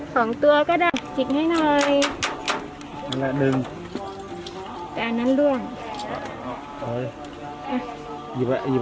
ของตัวก็ได้จิบให้หน่อยดึงแต่อันนั้นด้วย